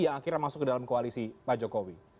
yang akhirnya masuk ke dalam koalisi pak jokowi